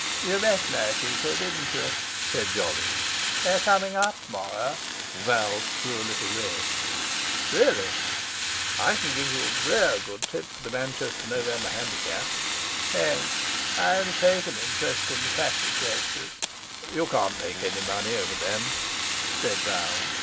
"You met my people, didn't you?" said Jolly. "They're coming up to morrow." Val grew a little red. "Really! I can give you a rare good tip for the Manchester November handicap." "Thanks, I only take interest in the classic races." "You can't make any money over them," said Val.